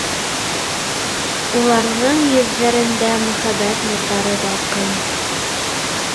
Уларҙың йөҙҙәрендә мөхәббәт нурҙары балҡый.